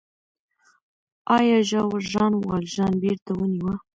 آیا ژاور ژان والژان بېرته ونیوه؟